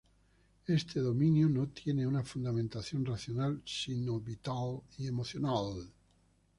Este dominio no tiene una fundamentación racional sino vital y emocional.